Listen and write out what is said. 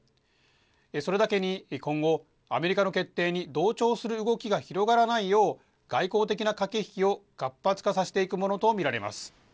それだけに、今後、アメリカの決定に同調する動きが広がらないよう、外交的な駆け引きを活発化させていくものと見られます。